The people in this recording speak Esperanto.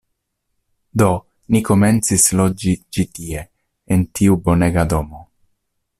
Do, ni komencis loĝi ĉi tie, en tiu bonega domo.